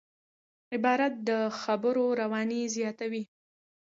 عبارت د خبرو رواني زیاتوي.